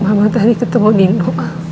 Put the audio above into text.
mama tadi ketemu nino